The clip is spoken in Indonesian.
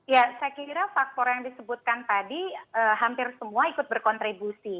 ya saya kira faktor yang disebutkan tadi hampir semua ikut berkontribusi